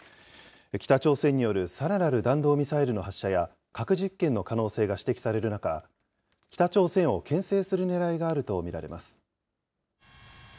北朝鮮によるさらなる弾道ミサイルの発射や、核実験の可能性が指摘される中、北朝鮮をけん制するねらいがあると見られます。